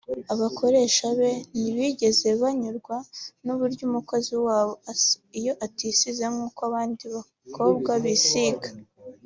abakoresha be ntibigeze banyurwa n’uburyo umukozi wabo asa iyo atisize nk’uko abandi bakobwa bisiga